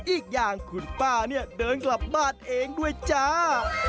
อีกอย่างคุณป้าเนี่ยเดินกลับบ้านเองด้วยจ้า